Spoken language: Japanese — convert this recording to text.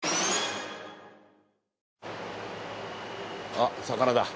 あっ魚だ。